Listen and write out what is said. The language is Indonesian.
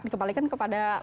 dikepalikan kepada pemerintah